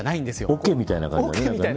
桶みたいな感じだね。